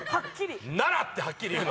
「奈良！」ってはっきり言うの。